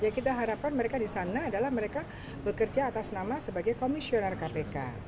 kita harapkan mereka di sana adalah mereka bekerja atas nama sebagai komisioner kpk